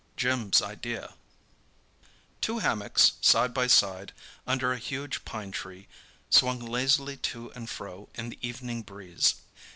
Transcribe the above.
JIM'S IDEA Two hammocks, side by side, under a huge pine tree, swung lazily to and fro in the evening breeze.